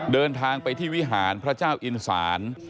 เดินทางไปที่วิหารพระเจ้าอินศาล